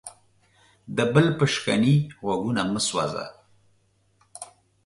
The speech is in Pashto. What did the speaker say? د بل په شکنې غوږونه مه سوځه.